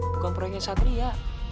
bukan proyeknya satria